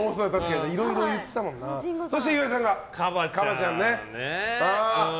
そして岩井さんがＫＡＢＡ．ちゃんね。